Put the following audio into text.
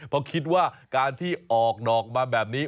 เพราะคิดว่าการที่ออกดอกมาแบบนี้